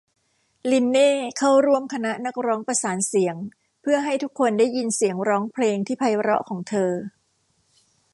ลีนเน่เข้าร่วมคณะนักร้องประสานเสียงเพื่อให้ทุกคนได้ยินเสียงร้องเพลงที่ไพเราะของเธอ